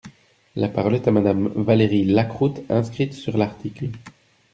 La parole est à Madame Valérie Lacroute, inscrite sur l’article.